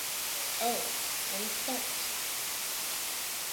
Oh! And it starts!